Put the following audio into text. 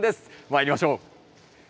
まいりましょう。